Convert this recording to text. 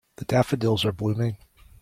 The daffodils are blooming.